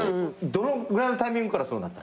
どのぐらいのタイミングからそうなったんですか？